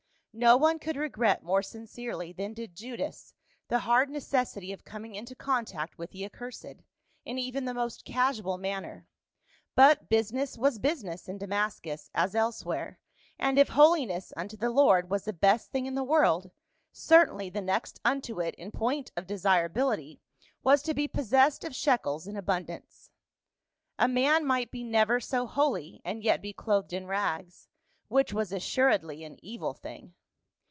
No one could regret more sincerely than did Judas the hard necessity of com ing into contact with " the accursed " in even the most casual manner ; but business was business in Damas cus as elsewhere, and if holiness unto the Lord was the best thing in the world, certainly the next unto it in point of desirability was to be possessed of shekels in abundance. A man might be never so holy, and yet be clothed in rags — which was assuredly an evil thing.